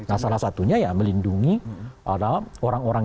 nah salah satunya ya melindungi orang orang